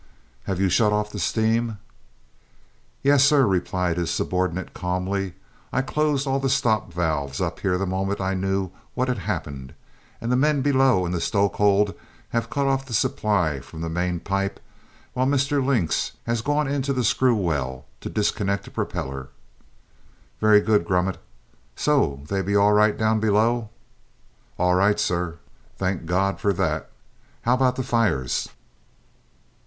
"Have you shut off the steam?" "Yes, sir," replied his subordinate calmly. "I closed all the stop valves up here the moment I knew what had happened; and the men below in the stoke hold have cut off the supply from the main pipe, while Mr Links has gone into the screw well to disconnect the propeller." "Very good, Grummet. So they be all right down below?" "All right, sir." "Thank God for that! How about the fires?"